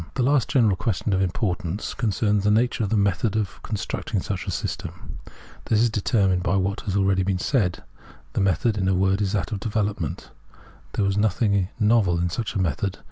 The last general question of importance concerns the nature of the method of constructing such a system. This is determined by what has been already said. The method, in a word, is that of development. There was nothing novel in such a method.